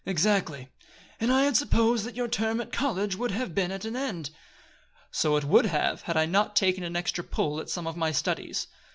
"Exactly. And I had supposed that your term at college would have been at an end." "So it would have been had I not taken an extra pull at some of my studies.